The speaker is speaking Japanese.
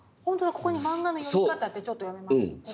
ここに「マンガの読み方」ってちょっと読めます。